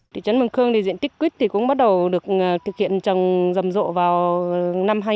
thị trấn mường khương thì diện tích quýt thì cũng bắt đầu được thực hiện trong dầm rộ vào năm hai nghìn